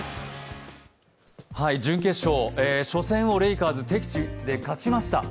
準決勝、初戦をレイカーズ敵地で勝ちました。